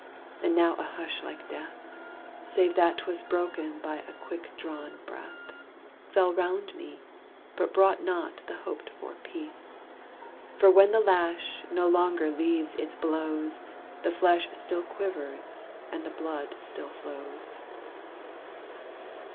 And now a hush like death, Save that 'twas broken by a quick drawn breath, Fell 'round me, but brought not the hoped for peace. For when the lash no longer leaves its blows, The flesh still quivers, and the blood still flows.